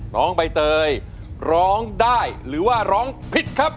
น้องใบเตยร้องได้หรือว่าร้องผิดครับ